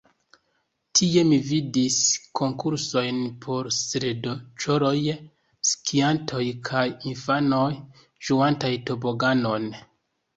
Tie mi vidis konkursojn por sledoĉaroj, skiantoj kaj infanoj, ĝuantaj toboganon.